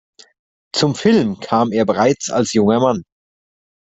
Zum Film kam er bereits als junger Mann.